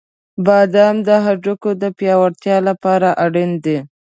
• بادام د هډوکو د پیاوړتیا لپاره اړین دي.